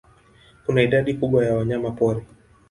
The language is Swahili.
Kuna idadi kubwa ya wanyamapori.